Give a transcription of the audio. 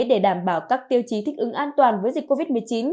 để đảm bảo các tiêu chí thích ứng an toàn với dịch covid một mươi chín